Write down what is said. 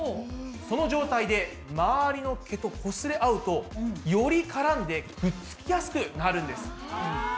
その状態で周りの毛とこすれ合うとより絡んでくっつきやすくなるんです。